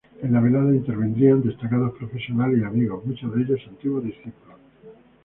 En la velada intervendrían destacados profesionales y amigos, muchos de ellos antiguos discípulos.